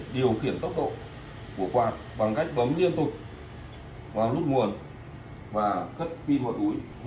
điều khiển tốc độ của quạt bằng cách bấm liên tục vào nút nguồn và cất pin vào núi